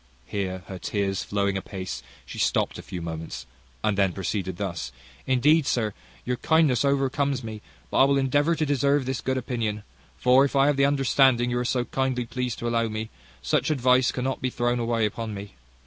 Here her tears flowing apace, she stopped a few moments, and then proceeded thus: "Indeed, sir, your kindness overcomes me; but I will endeavour to deserve this good opinion: for if I have the understanding you are so kindly pleased to allow me, such advice cannot be thrown away upon me.